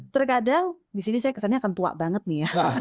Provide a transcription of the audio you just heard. terkadang disini saya kesannya akan tua banget nih ya